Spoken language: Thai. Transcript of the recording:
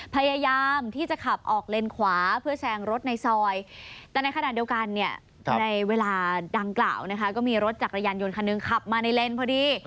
พยายามที่จะขับออกเลนขวาเพื่อแซงรถในซอยแต่ในขณะเดียวกันเนี่ยในเวลาดังกล่าวนะคะก็มีรถจักรยานยนต์คันหนึ่งขับมาในเลนส์พอดี